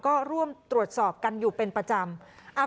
ก็ร่วมตรวจสอบกันอยู่เป็นประจำ